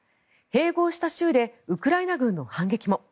併合した州でウクライナ軍の反撃も。